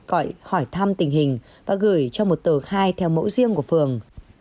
gọi hỏi thăm tình hình và gửi cho một tờ khai theo mẫu riêng của phường